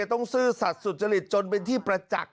ซื่อสัตว์สุจริตจนเป็นที่ประจักษ์